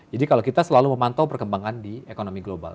jadi kalau kita selalu memantau perkembangan di ekonomi global